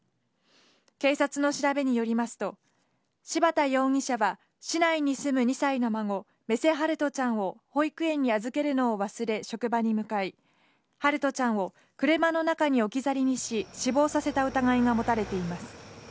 警察の調べによりますと、柴田容疑者は市内に住む２歳の孫、目瀬陽翔ちゃんを保育園に預けるのを忘れ、職場に向かい、陽翔ちゃんを車の中に置き去りにし、死亡させた疑いが持たれています。